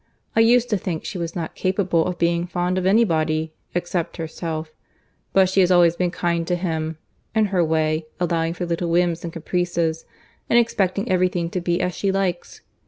I used to think she was not capable of being fond of any body, except herself: but she has always been kind to him (in her way—allowing for little whims and caprices, and expecting every thing to be as she likes).